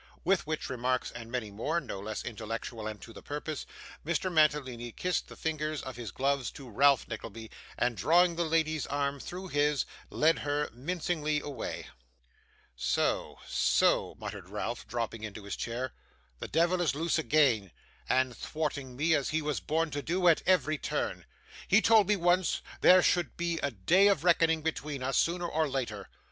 With which remarks, and many more, no less intellectual and to the purpose, Mr. Mantalini kissed the fingers of his gloves to Ralph Nickleby, and drawing his lady's arm through his, led her mincingly away. 'So, so,' muttered Ralph, dropping into his chair; 'this devil is loose again, and thwarting me, as he was born to do, at every turn. He told me once there should be a day of reckoning between us, sooner or later.